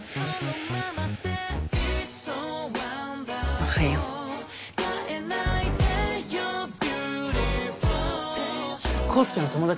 おはよう康祐の友達？